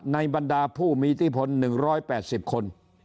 บรรดาผู้มีอิทธิพล๑๘๐คน